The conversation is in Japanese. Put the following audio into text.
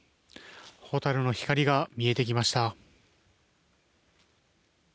ホタルの光が見えてきました。